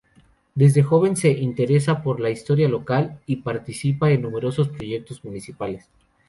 Desde joven se interesa por la historia local y participa en numerosos proyectos municipales.